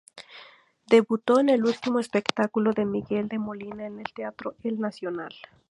Debutó en el último espectáculo de Miguel de Molina en el Teatro El Nacional